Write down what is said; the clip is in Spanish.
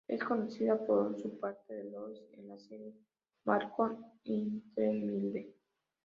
Es conocida por su papel de Lois en la serie "Malcolm in the Middle".